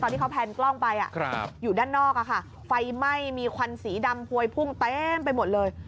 ที่เขาแพนกล้องไปอยู่ด้านนอกไฟไหม้มีควันสีดำพวยพุ่งเต็มไปหมดเลย